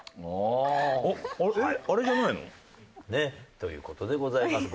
あれじゃないの？という事でございます。